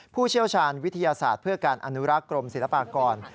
ผู้เชี่ยวชาญวิทยาศาสตร์เพื่อการอนุรักษ์กรมศิลปากร